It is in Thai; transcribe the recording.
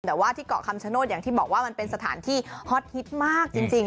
แต่ว่าที่เกาะคำชโนธอย่างที่บอกว่ามันเป็นสถานที่ฮอตฮิตมากจริง